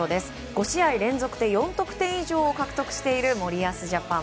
５試合連続で４得点以上を獲得している森保ジャパン。